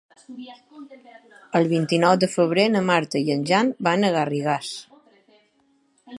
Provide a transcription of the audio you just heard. El vint-i-nou de febrer na Marta i en Jan van a Garrigàs.